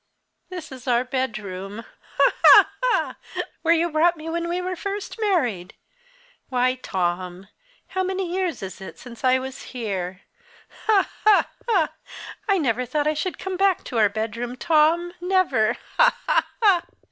"This is our bedroom ha! ha! ha! where you brought me when we were first married! Why, Tom, how many years is it since I was here? Ha, ha, ha! I never thought I should come back to our bedroom, Tom never! Ha, ha, ha!"